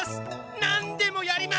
何でもやります！